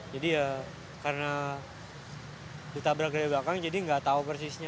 jadi ya karena ditabrak dari belakang jadi nggak tahu persisnya